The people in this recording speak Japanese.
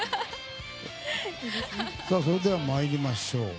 それでは参りましょう。